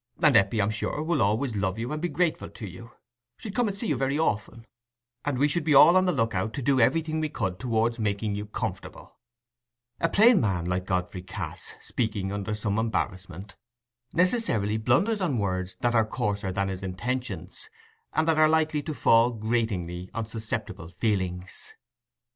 And Eppie, I'm sure, will always love you and be grateful to you: she'd come and see you very often, and we should all be on the look out to do everything we could towards making you comfortable." A plain man like Godfrey Cass, speaking under some embarrassment, necessarily blunders on words that are coarser than his intentions, and that are likely to fall gratingly on susceptible feelings.